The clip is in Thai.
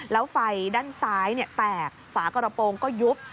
แล้วไฟด้านซ้ายแตกฝากระโปรงก็ยุบ